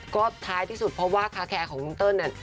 ก็ท้ายที่สุดเพราะว่าคาแคร์ของคุณเติ้ลเนี่ย